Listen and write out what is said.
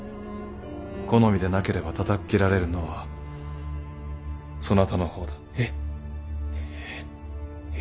好みでなければたたっ斬られるのはそなたの方だ。え！え！